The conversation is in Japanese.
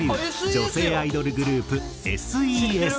女性アイドルグループＳ．Ｅ．Ｓ．。